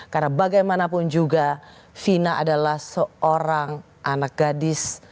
karena bagaimanapun juga fina adalah seorang anak gadis